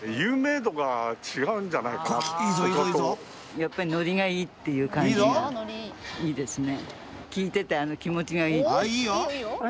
やっぱりノリがいいっていう感じがいいですね。